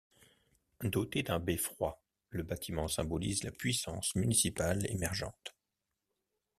Doté d'un beffroi, le bâtiment symbolise la puissance municipale émergente.